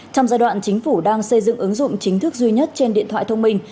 trong giai đoạn chính phủ đang xây dựng ứng dụng chính thức duy nhất trên điện thoại thông minh